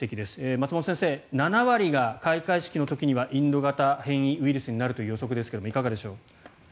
松本先生、７割が開会式の時にはインド型変異ウイルスになるという予測ですがいかがでしょう？